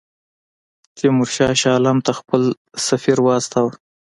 تیمورشاه شاه عالم ته خپل سفیر واستاوه.